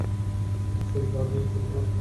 এই স্টেথোস্কোপ আর এই এপ্রোনের কী প্রয়োজন?